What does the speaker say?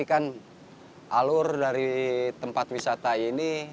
ini kan alur dari tempat wisata ini